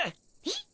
えっ？